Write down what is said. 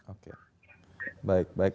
oke baik baik